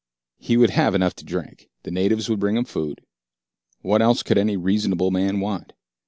He would have enough to drink. The natives would bring him food. What else could any reasonable man want?